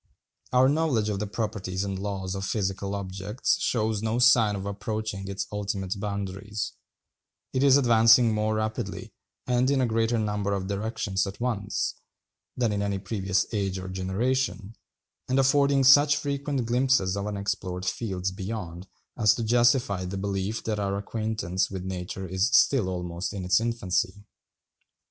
Our knowledge of the properties and laws of physical objects shows no sign of approaching its ultimate boundaries: it is advancing more rapidly, and in a greater number of directions at once, than in any previous age or generation, and affording such frequent glimpses of unexplored fields beyond as to justify the belief that our acquaintance with nature is still almost in its infancy.